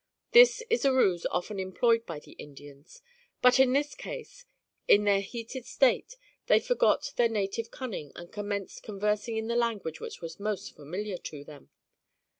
This is a ruse often employed by the Indians; but, in this case, in their heated state they forgot their native cunning and commenced conversing in the language which was most familiar to them.